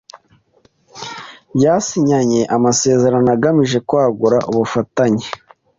byasinyanye amasezerano agamije kwagura ubufatanye